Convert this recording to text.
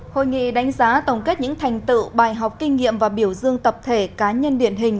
hội nghị đánh giá tổng kết những thành tựu bài học kinh nghiệm và biểu dương tập thể cá nhân điển hình